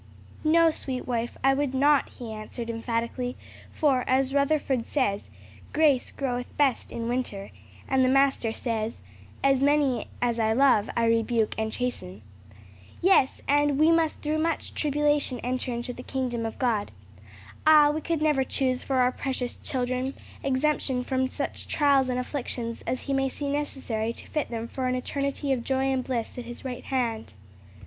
"No, sweet wife, I would not," he answered emphatically; "for, as Rutherford says, 'grace groweth best in winter;' and the Master says, 'As many as I love, I rebuke and chasten.'" "Yes; and 'we must through much tribulation enter into the kingdom of God.' Ah, we could never choose for our precious children exemption from such trials and afflictions as He may see necessary to fit them for an eternity of joy and bliss at His right hand!"